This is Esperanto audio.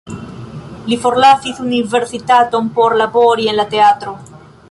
Li forlasis universitaton por labori en la teatro.